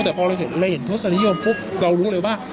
แต่พอเราก็เห็นโทษสนิยมเรารู้เลยว่า